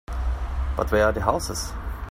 But where are the houses?